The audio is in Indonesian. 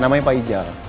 namanya pak ijal